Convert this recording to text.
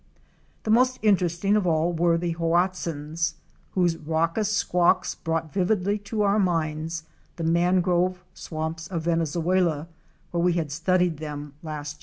The most interesting of all were the Hoatzins,'t whose raucous squawks brought vividly to our minds the mangrove swamps of Venezuela where we had studied them last year.